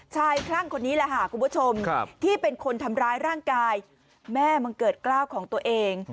คลั่งคนนี้แหละค่ะคุณผู้ชมที่เป็นคนทำร้ายร่างกายแม่บังเกิดกล้าวของตัวเอง